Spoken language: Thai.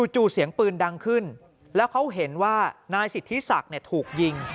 จู่เสียงปืนดังขึ้นแล้วเขาเห็นว่านายสิทธิศักดิ์ถูกยิง